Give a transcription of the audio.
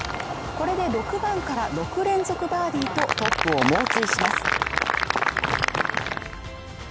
これで６番から６連続バーディーでトップを猛追します